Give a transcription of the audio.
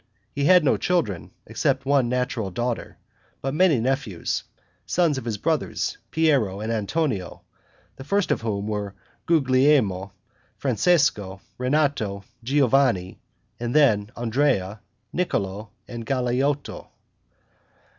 He had no children, except one natural daughter, but many nephews, sons of his brothers Piero and Antonio, the first of whom were Guglielmo, Francesco, Rinato, Giovanni, and then, Andrea, Niccolo, and Galeotto.